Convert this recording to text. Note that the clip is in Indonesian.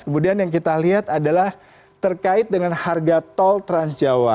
kemudian yang kita lihat adalah terkait dengan harga tol trans jawa